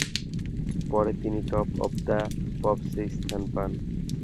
পরে তিনি Top of the পপস-এ স্থান পান।